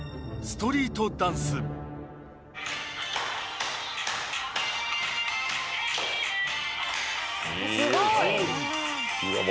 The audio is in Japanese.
・ストリートダンスあっ